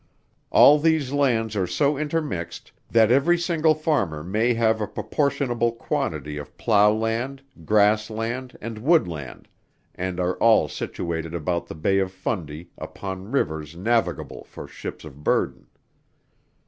All these lands are so intermixed that every single farmer may have a proportionable quantity of plow land, grass land, and wood land, and are all situated about the Bay of Fundy, upon rivers navigable for ships of burden.